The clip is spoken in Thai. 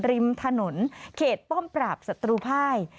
ริมถนนเขตป้อมปราบศัตรูภาย